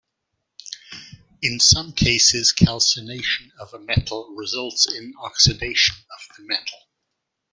In some cases, calcination of a metal results in oxidation of the metal.